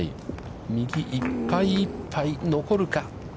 右いっぱいいっぱい残るか。